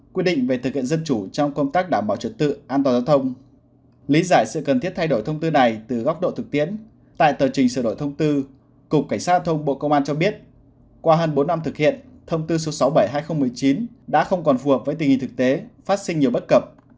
qua hơn bốn năm thực hiện thông tư số sáu mươi bảy hai nghìn một mươi chín đã không còn phù hợp với tình hình thực tế phát sinh nhiều bất cập